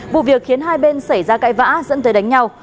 vụ việc khiến hai bên xảy ra cãi vã dẫn tới đánh nhau